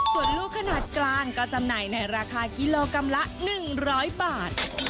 ส่วนลูกขนาดกลางก็จำหน่ายในราคากิโลกรัมละ๑๐๐บาท